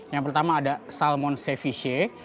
yang pertama ada salmon ceviche